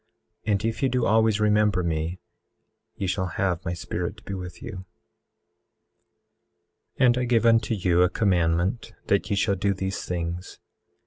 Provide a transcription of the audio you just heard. And if ye do always remember me ye shall have my Spirit to be with you. 18:12 And I give unto you a commandment that ye shall do these things.